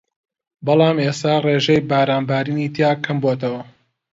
بەڵام ئێستا ڕێژەی باران بارینی تیا کەم بۆتەوە